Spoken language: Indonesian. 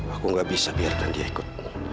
aku gak bisa biarkan dia ikut